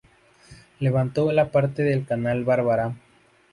Levantó parte del canal Bárbara.